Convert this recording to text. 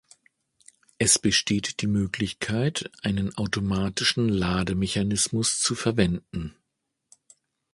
Es besteht die Möglichkeit, einen automatischen Lademechanismus zu verwenden.